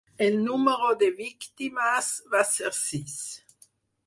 El número de víctimes va ser sis.